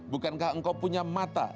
bukankah engkau punya mata